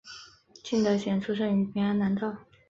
金德贤出生于平安南道。